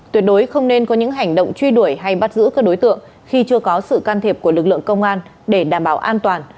tuyệt đối không nên có những hành động truy đuổi hay bắt giữ các đối tượng khi chưa có sự can thiệp của lực lượng công an để đảm bảo an toàn